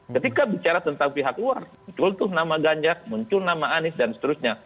ketika bicara tentang pihak luar muncul tuh nama ganjar muncul nama anies dan seterusnya